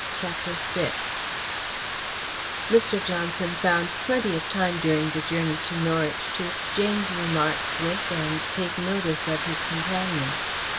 CHAPTER VI Mr. Johnson found plenty of time during the journey to Norwich to exchange remarks with and take notice of his companion.